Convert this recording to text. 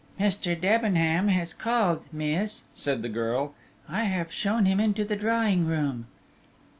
"Mr. Debenham has called, miss," said the girl. "I have shown him into the drawing room."